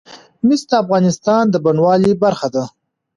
مس د افغانستان د بڼوالۍ برخه ده.